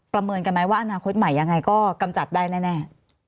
เมินกันไหมว่าอนาคตใหม่ยังไงก็กำจัดได้แน่